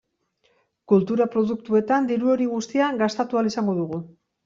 Kultura produktuetan diru hori guztia gastatu ahal izango dugu.